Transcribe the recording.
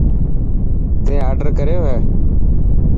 تين آڊر ڪريو هي.